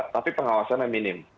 tapi pengawasannya minim